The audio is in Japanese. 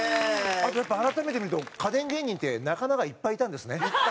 あとやっぱ改めて見ると家電芸人って仲間がいっぱいいたんですね。